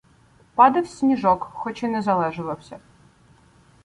Падав сніжок, хоч і не залежувався.